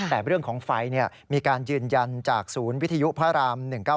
แต่เรื่องของไฟมีการยืนยันจากศูนย์วิทยุพระราม๑๙๙